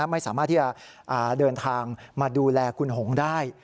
ไม่สามารถที่จะเดินทางมาดูแลคุณหงได้